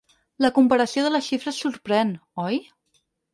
La comparació de les xifres sorprèn, oi?